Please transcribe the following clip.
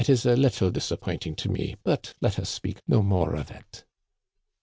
207 is a little disappointing to me ; but let us speak no more of it."